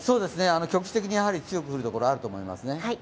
局地的に強く降るところがあると思います。